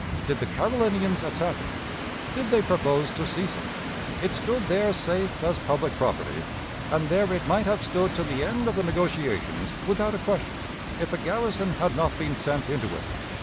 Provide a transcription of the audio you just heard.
Did the Carolinians attack it? Did they propose to seize it? It stood there safe as public property; and there it might have stood to the end of the negotiations without a question, if a garrison had not been sent into it.